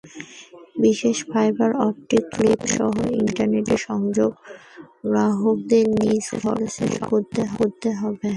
বিশেষ fibre optic কেব্লসহ internet সংযোগ গ্রাহককেই নিজ খরচে সংগ্রহ করতে হবে।